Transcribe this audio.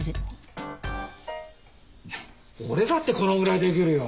俺だってこのぐらいできるよ。